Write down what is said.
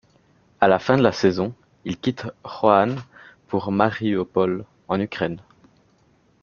À la fin de la saison, il quitte Roanne pour Marioupol en Ukraine.